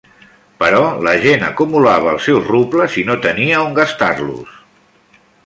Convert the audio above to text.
Però la gent acumulava els seus rubles i no tenia on gastar-los.